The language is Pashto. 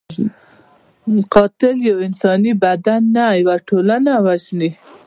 قاتل یو انساني بدن نه، یو ټولنه وژني